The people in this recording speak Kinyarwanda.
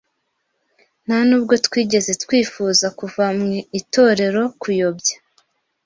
Ntanubwo twigeze twifuza kuva mu itorero kuyobya